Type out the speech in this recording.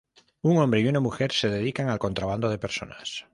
Un hombre y una mujer se dedican al contrabando de personas.